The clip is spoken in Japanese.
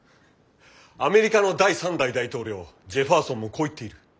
アメリカの第３代大統領ジェファーソンもこう言っている。